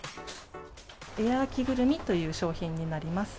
エアー着ぐるみという商品になります。